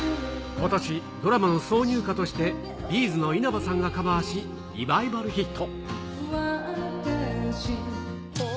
ことし、ドラマの挿入歌としてＢ’ｚの稲葉さんがカバーし、リバイバルヒット。